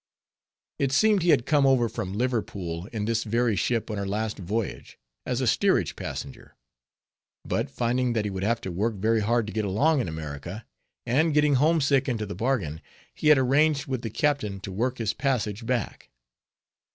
It seemed, he had come over from Liverpool in this very ship on her last voyage, as a steerage passenger; but finding that he would have to work very hard to get along in America, and getting home sick into the bargain, he had arranged with the captain to work his passage back.